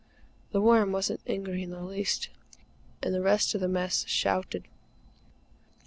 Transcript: The Worm wasn't angry in the least, and the rest of the Mess shouted.